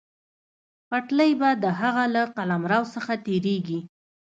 پټلۍ به د هغه له قلمرو څخه تېرېږي.